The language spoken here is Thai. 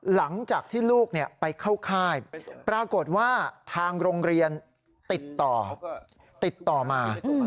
หลังจากที่ลูกไปเข้าค่ายปรากฏว่าทางโรงเรียนติดต่อติดต่อมา